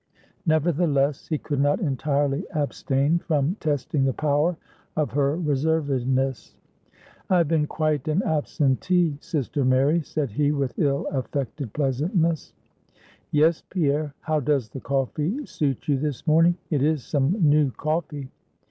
Nevertheless, he could not entirely abstain from testing the power of her reservedness. "I have been quite an absentee, sister Mary," said he, with ill affected pleasantness. "Yes, Pierre. How does the coffee suit you this morning? It is some new coffee."